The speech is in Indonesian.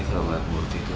kalau gak murti itu